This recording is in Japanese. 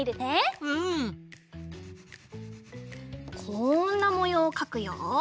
こんなもようをかくよ。